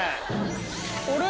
あれ？